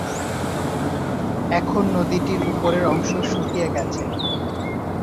এখন নদীটির উপরের অংশ শুকিয়ে গেছে।